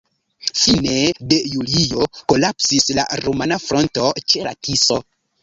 Fine de julio kolapsis la rumana fronto ĉe la Tiso.